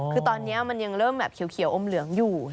คือตอนนี้มันยังเริ่มแบบเขียวอมเหลืองอยู่